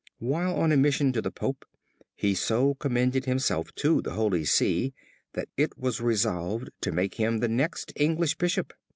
While on a mission to the Pope he so commended himself to the Holy See that it was resolved to make him the next English bishop.